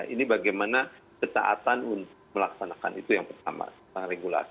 ini bagaimana ketaatan untuk melaksanakan itu yang pertama